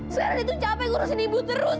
sekarang dia tuh capek ngurusin ibu terus